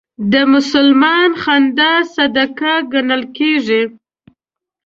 د مسلمان خندا صدقه ګڼل کېږي.